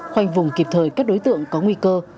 khoanh vùng kịp thời các đối tượng có nguy cơ